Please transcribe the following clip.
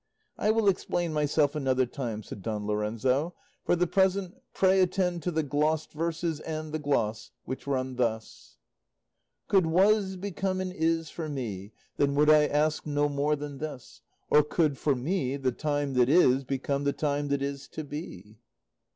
"I will explain myself another time," said Don Lorenzo; "for the present pray attend to the glossed verses and the gloss, which run thus: Could 'was' become an 'is' for me, Then would I ask no more than this; Or could, for me, the time that is Become the time that is to be!